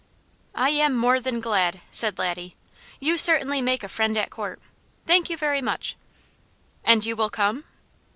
"I am more than glad," said Laddie. "You certainly make a friend at court. Thank you very much!" "And you will come